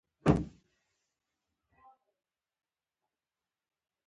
په غرمه کې ماشومان هم خوب کوي